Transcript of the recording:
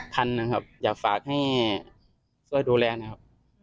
ทันนะครับอยากฝากให้ช่วยดูแลนะครับ